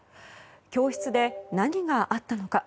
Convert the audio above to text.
教室で何があったのか。